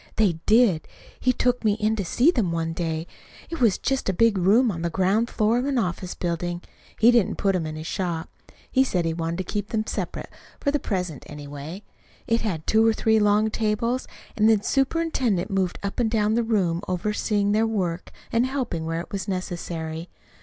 "They did. He took me in to see them one day. It was just a big room on the ground floor of an office building. He didn't put them in his shop. He said he wanted to keep them separate, for the present, anyway. It had two or three long tables, and the superintendent moved up and down the room overseeing their work, and helping where it was necessary.